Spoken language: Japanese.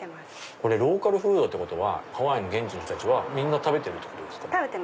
ローカルフードってことはハワイの現地の人たちは食べてるってことですか？